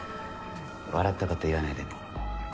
笑ったこと言わないでね。